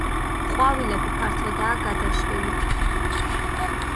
ყვავილები ფართოდაა გადაშლილი.